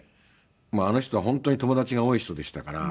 あの人は本当に友達が多い人でしたから。